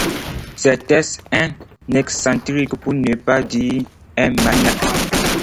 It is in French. Était-ce un excentrique, pour ne pas dire un maniaque?